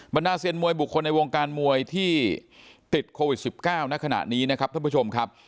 นาเซียนมวยบุคคลในวงการมวยที่ติดโควิด๑๙ณขณะนี้นะครับท่านผู้ชมครับ